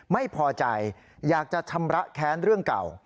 ไม่พอใจอยากจะชำระแค้นเรื่องเก่า